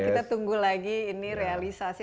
kita tunggu lagi ini realisasi